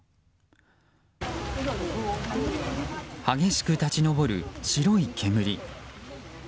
激しく立ち上る白い煙。